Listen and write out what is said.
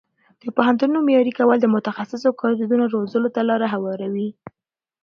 د پوهنتونونو معیاري کول د متخصصو کادرونو روزلو ته لاره هواروي.